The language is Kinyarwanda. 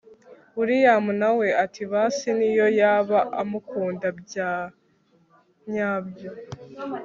william nawe ati basi niyo yaba amukunda byanyabyo